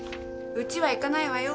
うちは行かないわよ。